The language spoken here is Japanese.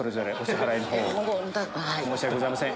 申し訳ございません。